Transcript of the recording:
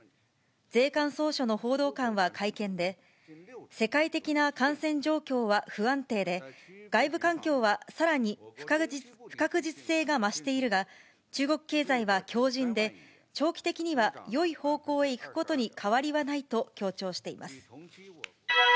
税関総署の報道官は会見で、世界的な感染状況は不安定で、外部環境はさらに不確実性が増しているが、中国経済は強じんで、長期的にはよい方向へ行くことに変わりはないと強調しています。